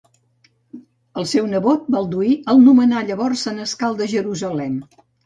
El seu nebot, Balduí el nomenà llavors senescal de Jerusalem.